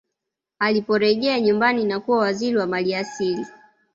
aliporejea nyumbani na kuwa waziri wa mali asili